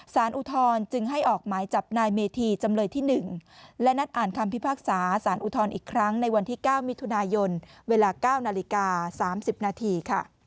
อุทธรณ์จึงให้ออกหมายจับนายเมธีจำเลยที่๑และนัดอ่านคำพิพากษาสารอุทธรณ์อีกครั้งในวันที่๙มิถุนายนเวลา๙นาฬิกา๓๐นาที